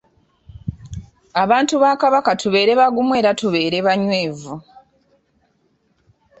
Abantu ba Kabaka tubeere bagumu era tubeere banywevu.